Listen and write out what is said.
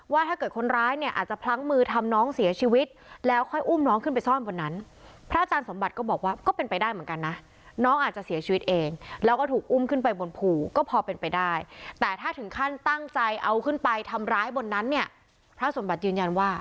ว่าถ้าเกิดคนร้ายเนี่ยอาจจะพลั้งมือทำน้องเสียชีวิตแล้วค่อยอุ้มน้องขึ้นไปซ่อนบนนั้น